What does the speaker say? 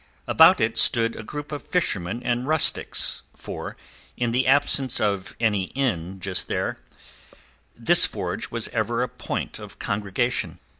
About it stood a group of fishermen and rustics, for, in the absence of any inn just there, this forge was ever a point of congregation.